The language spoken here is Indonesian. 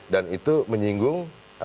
dan itu menyinggung